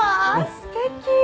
すてき